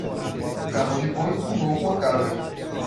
O carro de boi tombou com a carga